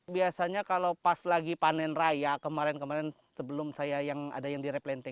biasanya kalau pas lagi panen raya kemarin kemarin sebelum saya yang ada yang di replante